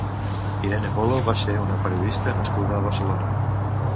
Irene Polo va ser una periodista nascuda a Barcelona.